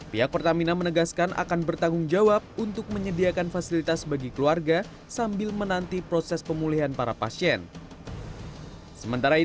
pihak pertamina menegaskan akan bertanggung jawab untuk menyediakan fasilitas bagi keluarga sambil menanti proses pemulihan para pasien